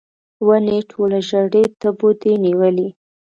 ونې ټوله ژړۍ تبو دي نیولې